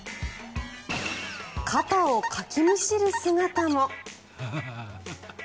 肩をかきむしる姿も。